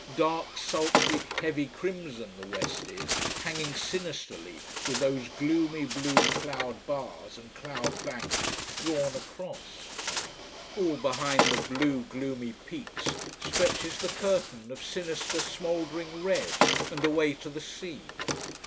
Dark, sultry, heavy crimson the west is, hanging sinisterly, with those gloomy blue cloud bars and cloud banks drawn across. All behind the blue gloomy peaks stretches the curtain of sinister, smouldering red, and away to the sea.